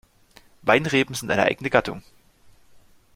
Weinreben sind eine eigene Gattung.